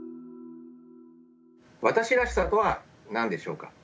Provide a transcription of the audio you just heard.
私らしさとは何でしょうか。